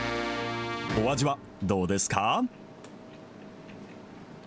お味はどうですか？